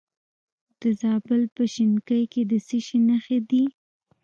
د زابل په شنکۍ کې د څه شي نښې دي؟